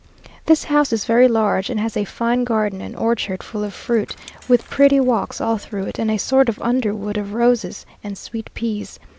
This house is very large, and has a fine garden and orchard full of fruit, with pretty walks all through it, and a sort of underwood of roses and sweet peas.